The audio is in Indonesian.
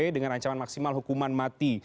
dengan ancaman maksimal hukuman mati